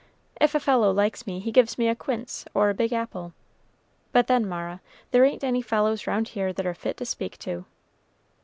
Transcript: If a fellow likes me, he gives me a quince, or a big apple; but, then, Mara, there ain't any fellows round here that are fit to speak to."